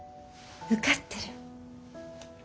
受かってる。